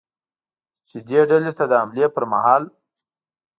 چې دې ډلې ته د حملې پرمهال ل